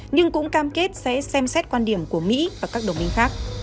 nhưng cũng cam kết sẽ xem xét quan điểm của mỹ và các đồng minh khác